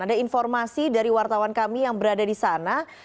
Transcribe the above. ada informasi dari wartawan kami yang berada di sana